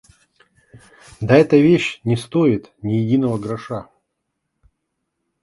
Да эта вещь не стоит ни единого гроша!